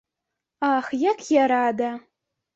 Ах, як я рада!